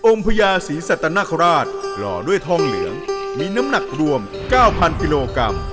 พญาศรีสัตนคราชหล่อด้วยทองเหลืองมีน้ำหนักรวม๙๐๐กิโลกรัม